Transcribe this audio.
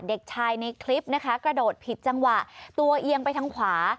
เด็กชายในคลิปนะคะกระโดดผิดจังหวะตัวเอียงไปทางขวา